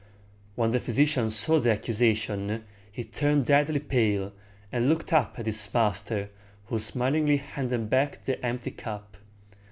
When the physician saw the accusation, he turned deadly pale, and looked up at his master, who smilingly handed back the empty cup.